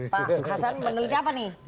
pak hasan meneliti apa nih